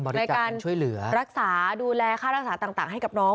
บริการรักษาดูแลค่ารักษาต่างให้กับน้อง